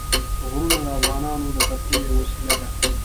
غرونه د افغانانو د تفریح یوه وسیله ده.